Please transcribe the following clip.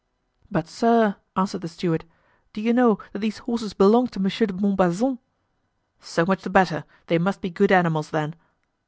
"But, sir," answered the steward, "do you know that these horses belong to Monsieur de Montbazon?" "So much the better; they must be good animals, then."